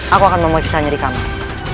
aku akan memeriksanya di kamar